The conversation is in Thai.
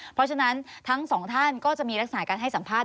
เพราะฉะนั้นทั้งสองท่านก็จะมีลักษณะการให้สัมภาษณ